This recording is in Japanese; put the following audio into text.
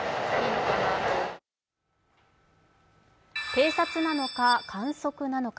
偵察なのか観測なのか。